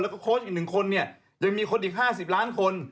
แล้วก็โค้ชอีก๑คนเนี่ยยังมีคนอีก๕๐ล้านคน